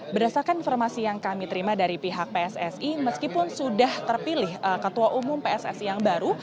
berdasarkan informasi yang kami terima dari pihak pssi meskipun sudah terpilih ketua umum pssi yang baru